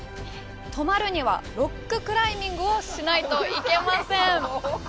泊まるにはロッククライミングをしないといけません。